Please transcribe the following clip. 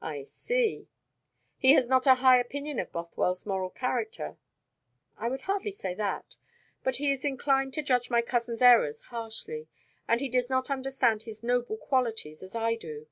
"I see. He has not a high opinion of Bothwell's moral character?" "I would hardly say that. But he is inclined to judge my cousin's errors harshly, and he does not understand his noble qualities as I do.